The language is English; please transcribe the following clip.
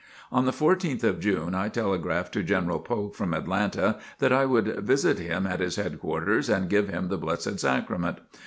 On the 14th of June, I telegraphed to General Polk from Atlanta that I would visit him at his headquarters and give him the Blessed Sacrament.